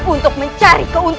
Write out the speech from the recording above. untuk mencari amat